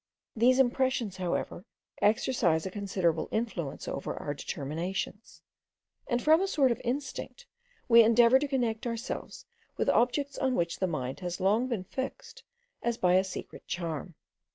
These impressions, however, exercise a considerable influence over our determinations; and from a sort of instinct we endeavour to connect ourselves with objects on which the mind has long been fixed as by a secret charm.